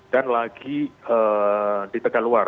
dan lagi di tegal luar